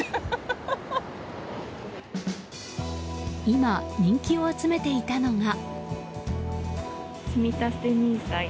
今、人気を集めていたのが。